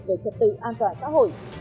về trật tự an toàn xã hội